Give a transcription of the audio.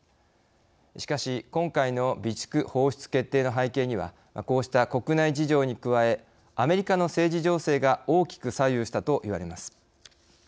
しかし今回の備蓄放出決定の背景にはこうした国内事情に加えアメリカの政治情勢が大きく左右したといわれます。